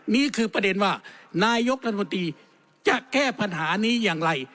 นี่คือประเด็นว่านายกรัฐมนตรีจะแก้ปัญหานี้อย่างไร